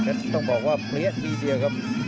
ต้องบอกว่าเปรี้ยทีเดียวครับ